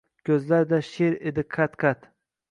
Ko’zlarida she’r edi qat-qat